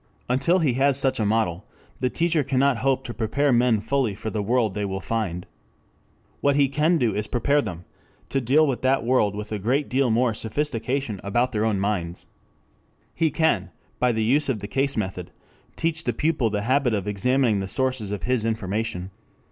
Until he has such a model, the teacher cannot hope to prepare men fully for the world they will find. What he can do is to prepare them to deal with that world with a great deal more sophistication about their own minds. He can, by the use of the case method, teach the pupil the habit of examining the sources of his information.